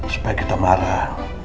supaya kita marah